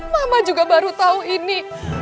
mama juga baru tahu ini